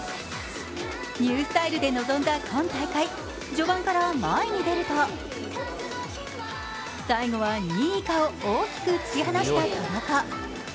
ニュースタイルで臨んだ今大会、序盤から前に出ると最後は２位以下を大きく突き放した田中。